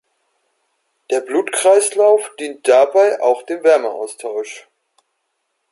Der Blutkreislauf dient dabei auch dem Wärmeaustausch.